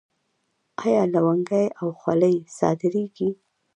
آیا لونګۍ او خولۍ صادریږي؟